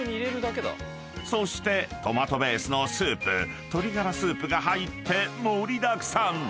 ［そしてトマトベースのスープ鶏がらスープが入って盛りだくさん］